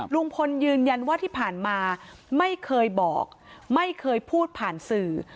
ลุงพลยืนยันว่าที่ผ่านมาไม่เคยบอกไม่เคยพูดผ่านสื่อ